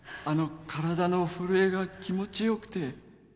あの体の震えが気持ち良くて